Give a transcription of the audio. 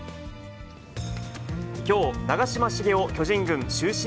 きょう、長嶋茂雄巨人軍終身